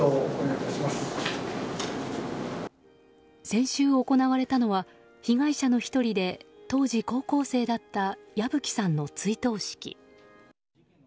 先週行われたのは被害者の１人で当時高校生だった矢吹さんの追悼式。